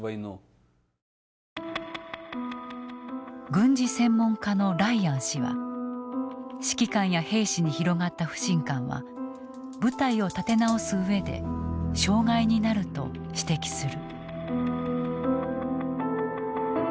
軍事専門家のライアン氏は指揮官や兵士に広がった不信感は部隊を立て直す上で障害になると指摘する。